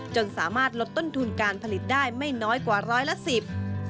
จนสามารถลดต้นทุนการผลิตได้ไม่น้อยกว่าร้อยละสิบ